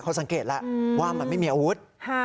เขาสังเกตแล้วว่ามันไม่มีอาวุธ